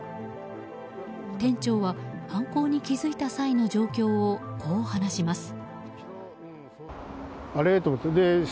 店長は犯行に気付いた際の状況をこう話します。